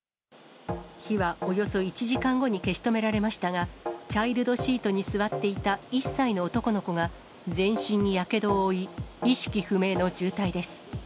火はおよそ１時間後に消し止められましたが、チャイルドシートに座っていた１歳の男の子が全身にやけどを負い、意識不明の重体です。